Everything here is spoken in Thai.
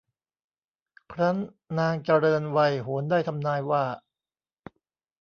ครั้นนางเจริญวัยโหรได้ทำนายว่า